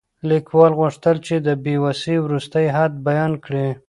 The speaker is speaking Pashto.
لیکوال غوښتل چې د بې وسۍ وروستی حد بیان کړي.